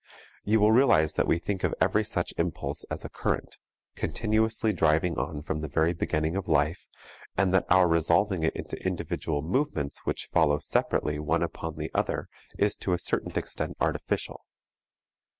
You will realize that we think of every such impulse as a current continuously driving on from the very beginning of life, and that our resolving it into individual movements which follow separately one upon the other is to a certain extent artificial.